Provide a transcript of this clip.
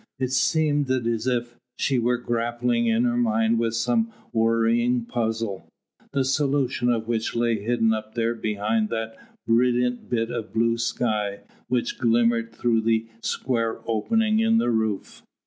It seemed as if she were grappling in her mind with some worrying puzzle, the solution of which lay hidden up there behind that brilliant bit of blue sky which glimmered through the square opening in the roof.